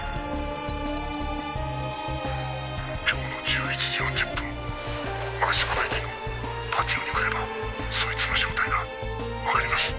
「今日の１１時４０分益子駅のパティオに来ればそいつの正体がわかります」